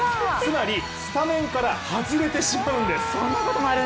つまりスタメンから外れてしまうんです。